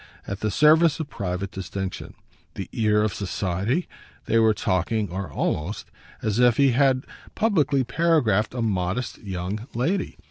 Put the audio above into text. at the service of private distinction. The ear of society? they were talking, or almost, as if he had publicly paragraphed a modest young lady.